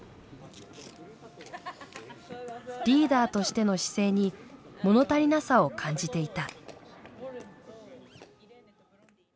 リーダーとしての姿勢に物足りなさを感じていた。